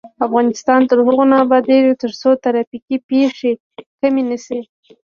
افغانستان تر هغو نه ابادیږي، ترڅو ترافیکي پیښې کمې نشي.